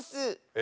え？